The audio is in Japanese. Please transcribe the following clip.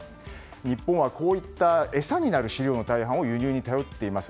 日本はこういった餌になる飼料の大半を輸入に頼っています。